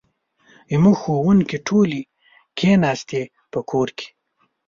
زموږ ښوونکې ټولې کښېناستي په کور کې